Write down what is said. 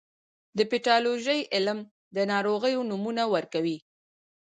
د پیتالوژي علم د ناروغیو نومونه ورکوي.